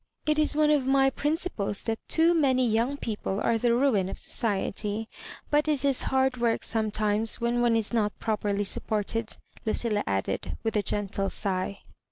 It is one of my principles that too many youDg people are the ruin of so ciety ; but it is hard work sometimes, when one is not properly supported," Lucilla added, with a gentle sigh.